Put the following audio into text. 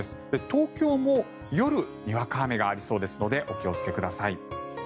東京も夜にわか雨がありそうですのでお気をつけください。